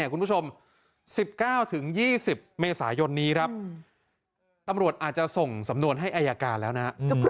คุณผู้ชม๑๙๒๐เมษายนนี้ครับตำรวจอาจจะส่งสำนวนให้อายการแล้วนะ